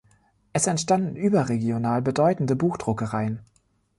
Es entstanden überregional bedeutende Buchdruckereien.